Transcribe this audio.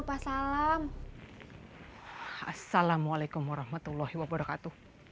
assalamualaikum warahmatullahi wabarakatuh